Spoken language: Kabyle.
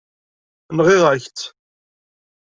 Nɣiɣ-ak-tt.